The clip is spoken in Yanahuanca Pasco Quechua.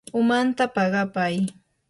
umanta paqapay.